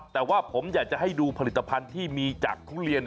แต่ว่าผมอยากจะให้ดูผลิตภัณฑ์ที่มีจากทุเรียน